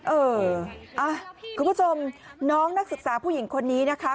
เออคุณผู้ชมน้องนักศึกษาผู้หญิงคนนี้นะคะ